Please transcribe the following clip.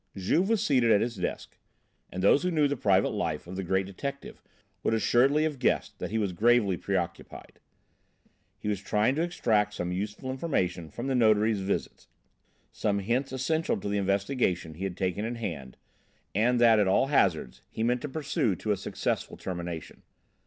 Juve was seated at his desk, and those who knew the private life of the great detective would assuredly have guessed that he was gravely preoccupied. He was trying to extract some useful information from the notary's visit, some hints essential to the investigation he had taken in hand, and that at all hazards he meant to pursue to a successful termination.